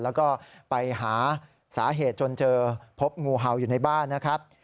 แล้วก็ไปหาสาเหตุจนเจอพบงูเห่าอยู่ในบ้านนะครับ